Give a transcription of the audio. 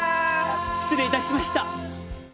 失礼いたしました。